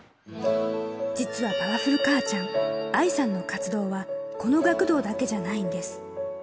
実はパワフル母ちゃん、愛さんの活動は、この学童だけじゃないんです。